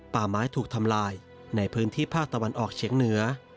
ป่าไม้ถูกทำลายในพื้นที่ภาคตะวันออกเฉียงเหนือ